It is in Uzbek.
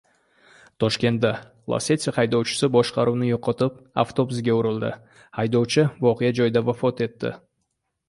Toshkentda "Lasetti" haydovchisi boshqaruvni yo‘qotib, avtobusga urildi. Haydovchi voqea joyida vafot etdi